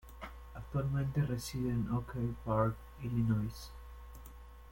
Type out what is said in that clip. Actualmente reside en Oak Park, Illinois.